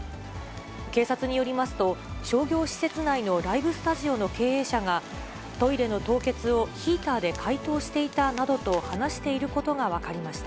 警察によりますと、商業施設内のライブスタジオの経営者が、トイレの凍結をヒーターで解凍していたなどと話していることが分かりました。